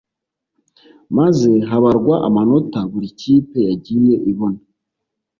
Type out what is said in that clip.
maze habarwa amanota buri kipe yagiye ibona